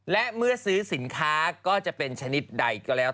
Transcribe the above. และเมื่อซื้อสินค้าก็จะเป็นชนิดใดก็แล้ว